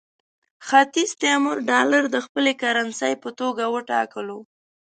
ختیځ تیمور ډالر د خپلې کرنسۍ په توګه وټاکلو.